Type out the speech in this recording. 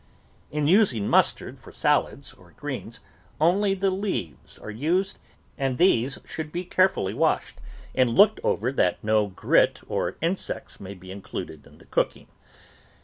In using mustard for salads or greens only the leaves are used, and these should be carefully washed and looked over that no grit or insects may be included in the cooking.